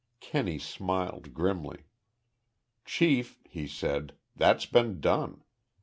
Kenney smiled, grimly. "Chief," he said, "that's been done.